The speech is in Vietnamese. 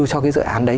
cho cái dự án đấy